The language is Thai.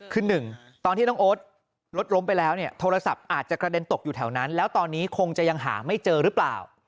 คือหนึ่งตอนที่น้องโอ๊ตรถล้มไปแล้วเนี่ยโทรศัพท์อาจจะกระเด็นตกอยู่แถวนั้นแล้วตอนนี้คงจะยังหาไม่เจอหรือเปล่า